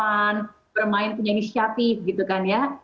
bermain punya inisiatif gitu kan ya